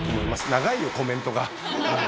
長いよ、コメントが。